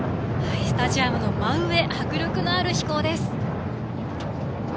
スタジアムの真上迫力のある飛行です！